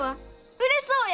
売れそうや！